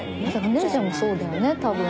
ねるちゃんもそうだよね多分。